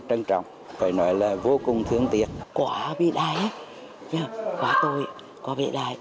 trân trọng phải nói là vô cùng thương tiếc quả vĩ đại quả tồi quả vĩ đại